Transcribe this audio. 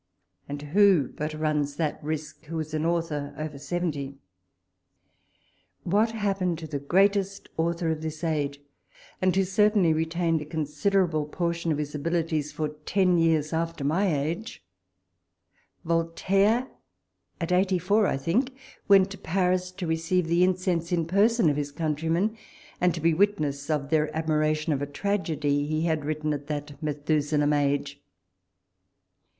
And who but runs that risk who is an author after seventy 1 What happened to the greatest author of this age, and who cer tainly retained a considerable portion of his abilities for ten years after my age 1 Voltaire, at eighty four, I think, went to Paris to receive the incense, in person, of his countrymen, and to be witness of their admiration of a tragedy he had written at that Methusalem age.